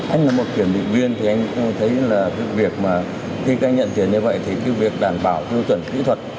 anh có một kiểm định viên thì anh thấy là cái việc mà khi các anh nhận tiền như vậy thì cái việc đảm bảo tiêu chuẩn kỹ thuật